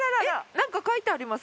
なんか書いてあります。